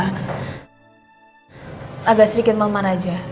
agak sedikit mengalaman aja